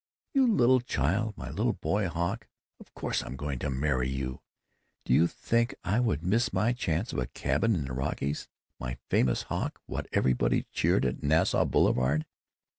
"You little child! My little boy Hawk! Of course I'm going to marry you. Do you think I would miss my chance of a cabin in the Rockies?... My famous Hawk what everybody cheered at Nassau Boulevard!"